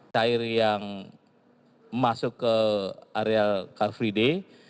cair yang masuk ke area car free day